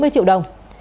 bốn mươi triệu đồng